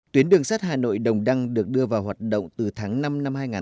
tuyến đường sắt hà nội đồng đăng được đưa vào hoạt động từ tháng năm năm hai nghìn hai mươi